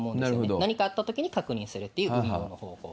何かあったときに確認するという運用の方法。